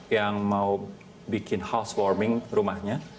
yang mau bikin housewarming rumahnya